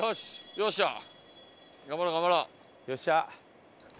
よっしゃー。